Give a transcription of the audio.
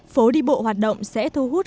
phố đi bộ hoạt động sẽ thu hút